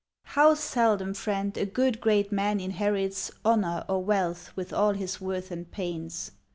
How seldom, Friend! a good great man inherits Honor or wealth with all his worth and pains!